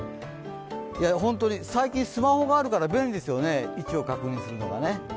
最近、スマホがあるから便利ですよね、位置を確認するのが。